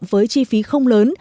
với chi phí không lớn